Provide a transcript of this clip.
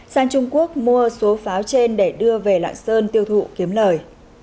sang trung quốc mua số pháo trên để đưa về lạng sơn tiêu thụ kiếm lời